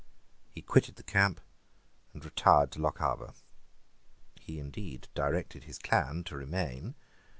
He quitted the camp, and retired to Lochaber. He indeed directed his clan to remain.